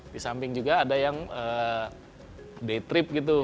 di samping juga ada yang day trip gitu